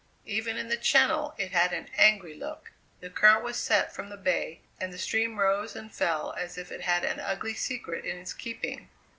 Even in the Channel it had an angry look. The current was set from the Bay, and the stream rose and fell as if it had an ugly secret in its keeping.